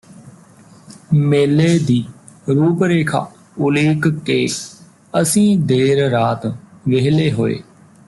ਮੇਲੇ ਦੀ ਰੂਪ ਰੇਖਾ ਉਲੀਕ ਕੇ ਅਸੀਂ ਦੇਰ ਰਾਤ ਵਿਹਲੇ ਹੋਏ